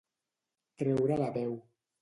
Treure la veu.